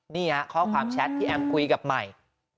ข้อความแชทที่แอมคุยกับใหม่